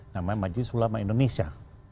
namanya majlis ulama indonesia